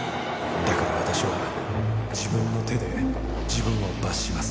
「だから私は自分の手で自分を罰します」